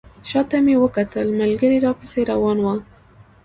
شاته مې وکتل ملګري راپسې روان وو.